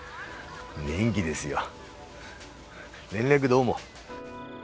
元気ですよ連絡どうも。